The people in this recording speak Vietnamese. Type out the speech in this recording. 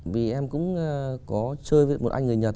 vì em cũng có chơi với một anh người nhật